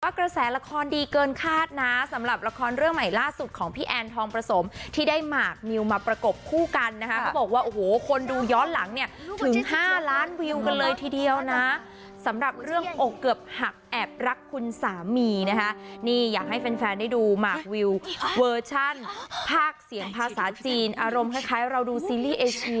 กระแสละครดีเกินคาดนะสำหรับละครเรื่องใหม่ล่าสุดของพี่แอนทองประสมที่ได้หมากนิวมาประกบคู่กันนะคะเขาบอกว่าโอ้โหคนดูย้อนหลังเนี่ยถึงห้าล้านวิวกันเลยทีเดียวนะสำหรับเรื่องอกเกือบหักแอบรักคุณสามีนะคะนี่อยากให้แฟนแฟนได้ดูหมากวิวเวอร์ชันภาคเสียงภาษาจีนอารมณ์คล้ายเราดูซีรีส์เอเชีย